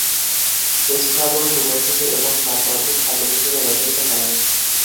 Estragole সুগন্ধিতে এবং স্বাদবর্ধক খাদ্য হিসেবে ব্যবহৃত হয়।